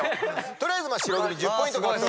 取りあえず白組１０ポイント獲得。